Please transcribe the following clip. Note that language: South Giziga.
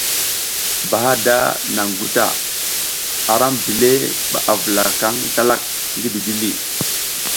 Bahada naŋ guta, aram dile ɓa avulakaŋ slalak ngi didili.